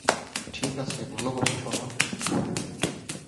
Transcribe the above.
ঠিক আছে ভালোবাসি সোনা!